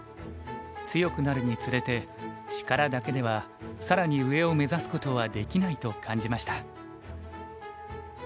強くなるにつれて力だけでは更に上を目指すことはできないと感じました。